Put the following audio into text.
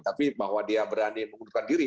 tapi bahwa dia berani mengundurkan diri